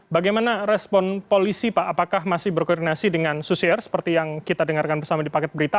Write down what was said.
bagaimana respon polisi pak apakah masih berkoordinasi dengan susier seperti yang kita dengarkan bersama di paket berita